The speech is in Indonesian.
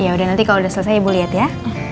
ya udah nanti kalo udah selesai ibu liat ya